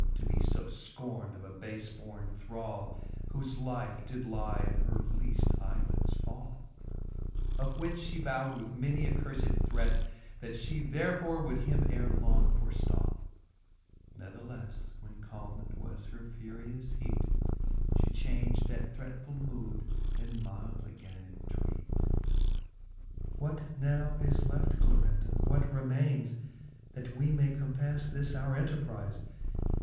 To be fb fcorned of a bafe born thrall, Whofe life did lie in her leafl eye lids fall ; Of which fhe vowd with many a curfed threat, That fhe therefore would him ere long forftall. Natheleile when calmed was her furious heat, She chang'd that threatfuU mood, and mildly gan entreat. XLVlIi. What Canto V. the Faerie ^eene, %^ XLVIII. What now is left, Clarindaf what remaines, That we may compafTe this our enterprize